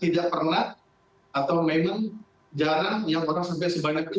tidak pernah atau memang jarang yang orang sampai sebanyak itu